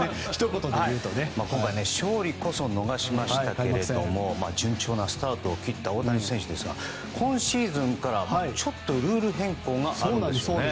今回、勝利こそ逃しましたけれども順調なスタートを切った大谷選手ですが今シーズンからちょっとルール変更があるみたいですね。